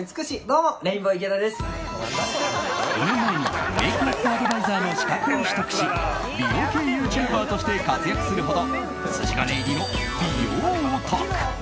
４年前にメイクアップアドバイザーの資格を取得し美容系ユーチューバーとして活躍するほど筋金入りの美容オタク。